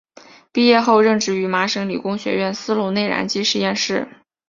毕业后任职于麻省理工学院斯龙内燃机实验室。